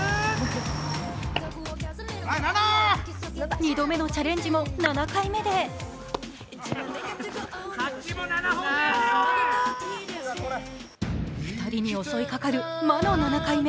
２度目のチャレンジも７回目で２人に襲いかかる魔の７回目。